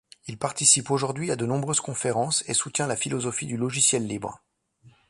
Il participe aujourd’hui à de nombreuses conférences et soutient la philosophie du logiciel libre.